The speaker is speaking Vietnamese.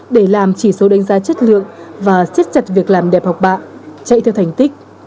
để làm chỉ số đánh giá chất lượng và siết chặt việc làm đẹp học bạ chạy theo thành tích